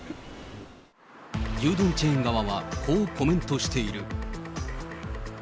牛丼チェーン側はこうコメントしている。